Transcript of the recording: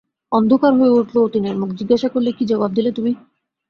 অন্ধকার হয়ে উঠল অতীনের মুখ, জিজ্ঞাসা করলে, কী জবাব দিলে তুমি?